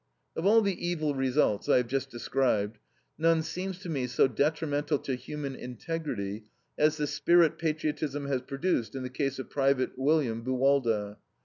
Of all the evil results, I have just described, none seems to me so detrimental to human integrity as the spirit patriotism has produced in the case of Private William Buwalda.